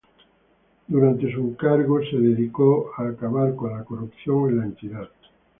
Durante su cargo, se enfocó en acabar con la corrupción en la Entidad.